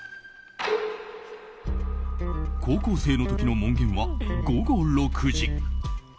高校生の時の門限は午後６時。